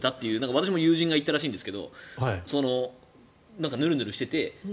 私も友人が行ったらしいんですがヌルヌルしてて。